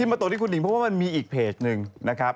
นี่มาตรงที่คุณหนิงพบว่ามันมีอีกเพจหนึ่งนะครับ